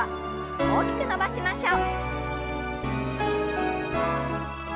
大きく伸ばしましょう。